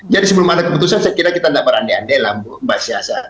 jadi sebelum ada keputusan saya kira kita tidak berande ande lah mbak syahsa